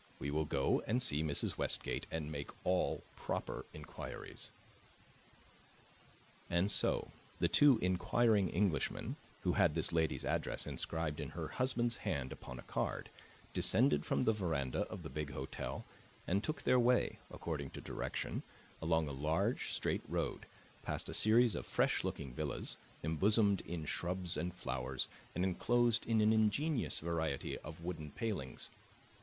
"We will go and see Mrs. Westgate and make all proper inquiries." And so the two inquiring Englishmen, who had this lady's address inscribed in her husband's hand upon a card, descended from the veranda of the big hotel and took their way, according to direction, along a large straight road, past a series of fresh looking villas embosomed in shrubs and flowers and enclosed in an ingenious variety of wooden palings.